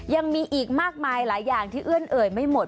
ยังมีอีกมากมายหลายอย่างที่เอื้อนเอ่ยไม่หมด